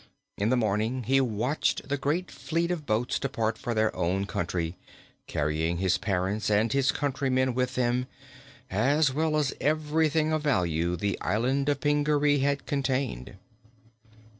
In the morning he watched the great fleet of boats depart for their own country, carrying his parents and his countrymen with them, as well as everything of value the Island of Pingaree had contained.